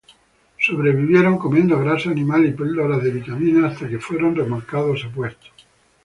Sobrevivieron comiendo grasa animal y píldoras de vitaminas, hasta que fueron remolcados a puerto.